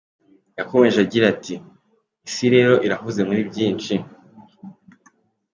Yakomeje agira ati "Isi rero irahuze muri byinshi.